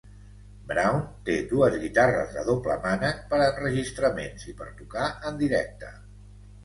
Brown té dues guitarres de doble mànec per a enregistraments i per tocar en directe.